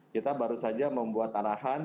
kita baru saja membuat arahan